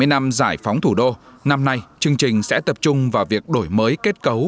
bảy mươi năm giải phóng thủ đô năm nay chương trình sẽ tập trung vào việc đổi mới kết cấu